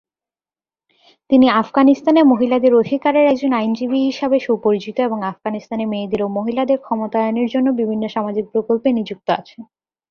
তিনি আফগানিস্তানে মহিলাদের অধিকারের একজন আইনজীবী হিসাবে সুপরিচিত এবং আফগানিস্তানে মেয়েদের ও মহিলাদের ক্ষমতায়নের জন্য বিভিন্ন সামাজিক প্রকল্পে নিযুক্ত আছেন।